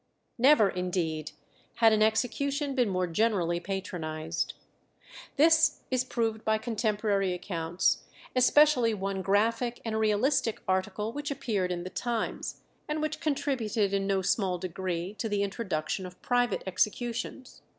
Never, indeed, had an execution been more generally patronized. This is proved by contemporary accounts, especially one graphic and realistic article which appeared in the 'Times,' and which contributed in no small degree to the introduction of private executions.